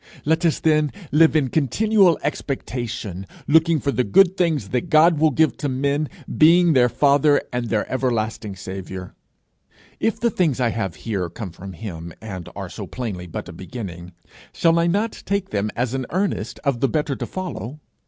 Let us, then, live in continual expectation, looking for the good things that God will give to men, being their father and their everlasting saviour. If the things I have here come from him, and are so plainly but a beginning, shall I not take them as an earnest of the better to follow?